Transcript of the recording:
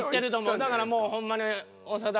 だからもうほんまに長田。